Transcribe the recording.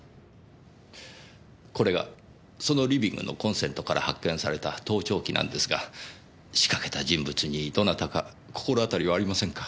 これがそのリビングのコンセントから発見された盗聴器なんですが仕掛けた人物にどなたか心当たりはありませんか？